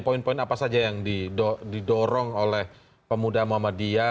poin poin apa saja yang didorong oleh pemuda muhammadiyah